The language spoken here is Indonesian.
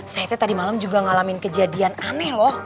saya tadi malam juga ngalamin kejadian aneh loh